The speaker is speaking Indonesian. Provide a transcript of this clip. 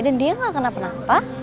dan dia gak kena apa apa